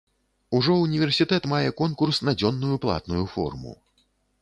Ужо ўніверсітэт мае конкурс на дзённую платную форму.